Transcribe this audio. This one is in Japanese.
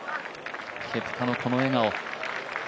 ケプカのこの笑顔。